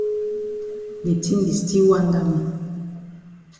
De tin di still wanda me.